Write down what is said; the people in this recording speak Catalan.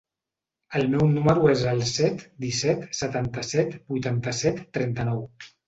El meu número es el set, disset, setanta-set, vuitanta-set, trenta-nou.